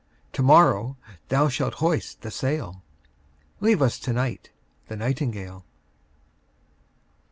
To morrow thou shalt hoist the sail; Leave us to night the nightingale.